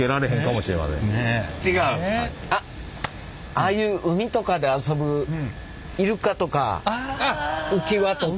ああいう海とかで遊ぶイルカとか浮き輪とか。